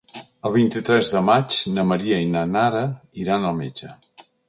El vint-i-tres de maig na Maria i na Nara iran al metge.